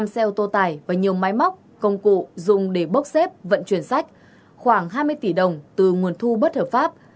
năm xe ô tô tải và nhiều máy móc công cụ dùng để bốc xếp vận chuyển sách khoảng hai mươi tỷ đồng từ nguồn thu bất hợp pháp